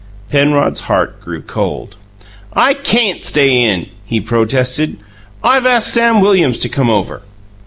Penrod's heart grew cold. "I CAN'T stay in," he protested. "I've asked Sam Williams to come over."